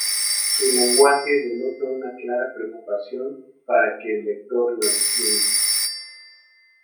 Su lenguaje denota una clara preocupación para que el lector lo entienda.